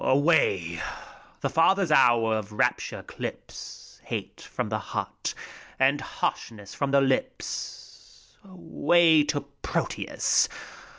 Away I the father's hour of rapture clips Hate from the heart, and harshness from the lips. Away to Proteus